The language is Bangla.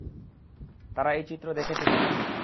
তারা এই চিত্র দেখেছে কিনা?